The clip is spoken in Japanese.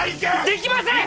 できません！